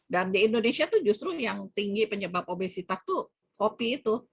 dan di indonesia tuh justru yang tinggi penyebab obesitas tuh kopi itu